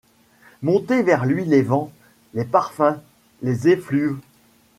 Monter vers lui les vents, les parfums, les effluves